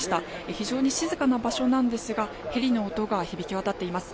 非常に静かな場所なんですがヘリの音が響き渡っています。